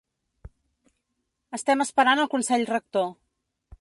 Estem esperant el consell rector.